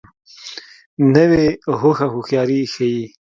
نوې هوښه هوښیاري ښیي